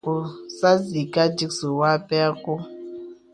Sās yìkā dìksì wɔ̄ a pɛ kɔ̄.